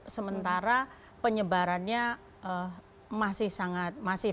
sementara penyebarannya masih sangat masif